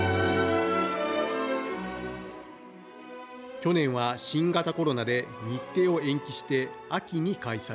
去年は新型コロナで日程を延期して秋に開催。